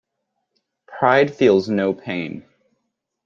Pride feels no pain.